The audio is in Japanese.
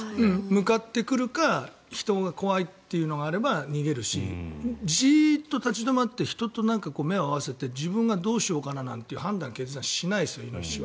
向かってくるか人が怖いっていうのがあれば逃げるしジーッと立ち止まって人と目を合わせて自分がどうしようかななんて判断をイノシシはしないですよ。